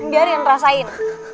biar yang rasain